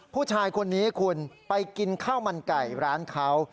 ผู้ชายคนนี้คุณไปกินข้าวมันไก่ร้านเขา